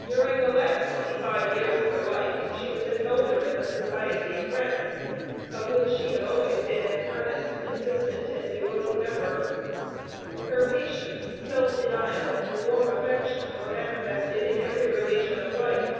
During the last twenty five years of her life she was an elder in the Society of Friends, of which she had always been an earnest, consistent, and devoted member. Her patience, self denial, and warm affection were manifested in every relation of life.